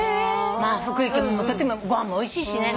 まあ福井県ご飯もおいしいしね。